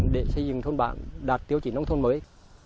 để xây dựng thôn bản đạt tiêu chí nông thôn mới